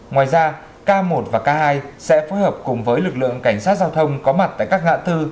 ngoài ra k một và k hai sẽ phối hợp cùng với lực lượng cảnh sát giao thông có mặt tại các ngã tư